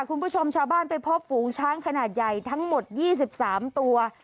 คุณผู้ชมชาวบ้านไปพบฝูงช้างขนาดใหญ่ทั้งหมด๒๓ตัว